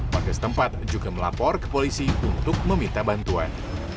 pagas tempat juga melapor ke polisi untuk meminta bantuan